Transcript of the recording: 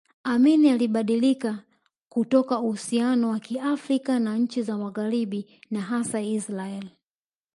Amin alibadilika kutoka uhusiano wa kirafiki na nchi za magharibi na hasa Israeli